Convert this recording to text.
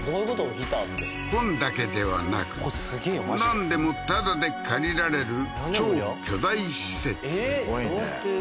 ギターって本だけではなくなんでもタダで借りられる超巨大施設ええー？